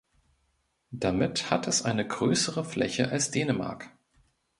Damit hat es eine größere Fläche als Dänemark.